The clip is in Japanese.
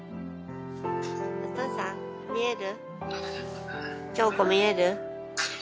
お父さん見える？